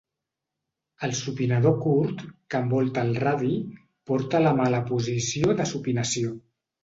El supinador curt, que envolta el radi, porta la mà a la posició de supinació.